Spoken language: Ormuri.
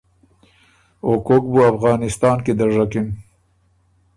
او کوک بُو افغانِستان کی دژکِن۔